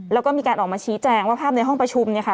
แล้วก็มีการออกมาชี้แจงว่าภาพในห้องประชุมเนี่ยค่ะ